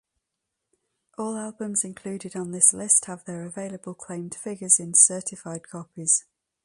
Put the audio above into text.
All albums included on this list have their available claimed figures in certified copies.